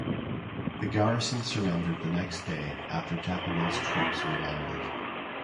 The garrison surrendered the next day after Japanese troops were landed.